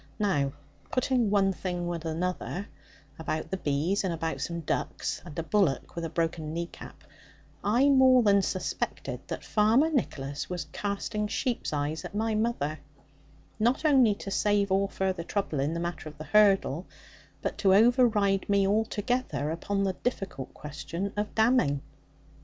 Now, putting one thing with another, about the bees, and about some ducks, and a bullock with a broken knee cap, I more than suspected that Farmer Nicholas was casting sheep's eyes at my mother; not only to save all further trouble in the matter of the hurdle, but to override me altogether upon the difficult question of damming.